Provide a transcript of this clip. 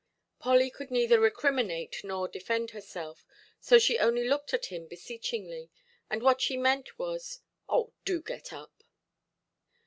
Polly could neither recriminate nor defend herself; so she only looked at him beseechingly, and what she meant was, "Oh, do get up".